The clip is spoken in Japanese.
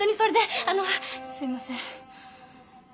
あのすいません。